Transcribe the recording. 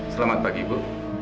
selamat pagi bu